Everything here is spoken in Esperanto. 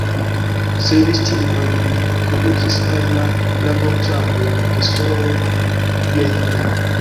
Servistino lin kondukis al la laborĉambro de S-ro Jehman.